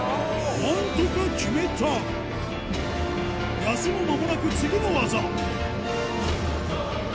なんとか決めた休む間もなく次の技